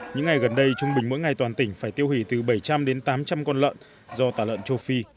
những ngày gần đây trung bình mỗi ngày toàn tỉnh phải tiêu hủy từ bảy trăm linh đến tám trăm linh con lợn do tả lợn châu phi